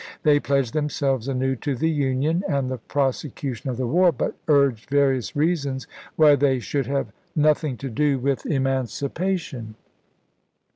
They pledged themselves anew to the Union and the prosecution of the war, but urged various reasons why they should have noth ing to do with emancipation.